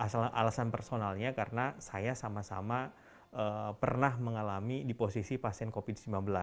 alasan personalnya karena saya sama sama pernah mengalami di posisi pasien covid sembilan belas